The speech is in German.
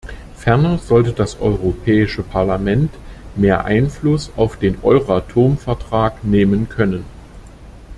Ferner sollte das Europäische Parlament mehr Einfluss auf den Euratom-Vertrag nehmen können.